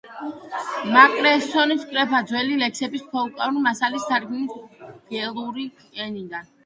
მაკფერსონი კრეფდა ძველ ლექსებს, ფოლკლორულ მასალას, თარგმნიდა გელური ენიდან.